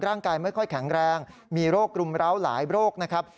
ร่างกายไม่ค่อยแข็งแรงมีโรครุมร้าวหลายโรคนะครับ